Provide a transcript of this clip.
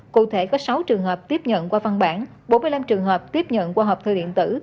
cụ thể có sáu trường hợp tiếp nhận qua văn bản bốn mươi năm trường hợp tiếp nhận qua hộp thư điện tử